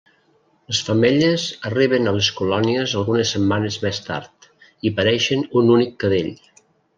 Les femelles arriben a les colònies algunes setmanes més tard i pareixen un únic cadell.